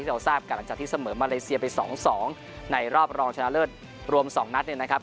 เราทราบกันหลังจากที่เสมอมาเลเซียไป๒๒ในรอบรองชนะเลิศรวม๒นัดเนี่ยนะครับ